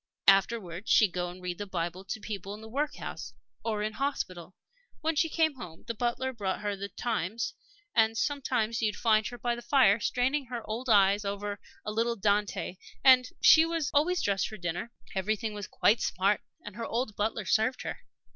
Afterwards she'd go and read the Bible to people in the workhouse or in hospital. When she came home, the butler brought her the Times; and sometimes you'd find her by the fire, straining her old eyes over 'a little Dante.' And she always dressed for dinner everything was quite smart and her old butler served her.